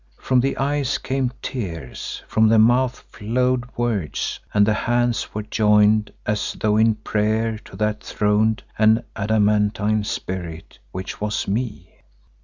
From the eyes came tears, from the mouth flowed words and the hands were joined, as though in prayer to that throned and adamantine Spirit which was ME.